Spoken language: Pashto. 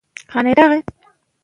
د خوښۍ او خوشحالی پيلامه اوسي .